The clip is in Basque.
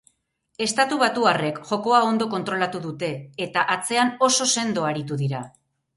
Estatubatuarrek jokoa ondo kontrolatu dute eta atzean oso sendo aritu dira.